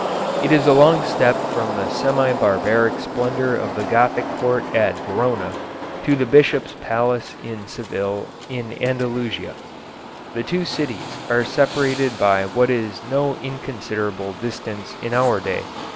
It is a long step from the semi barbaric splendor of the Gothic court at Verona, to the bishop's palace in Seville in Andalusia. The two cities are separated by what is no inconsiderable distance in our day.